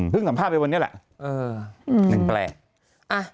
พึ่งสัมภาพไปวันนี้แหละ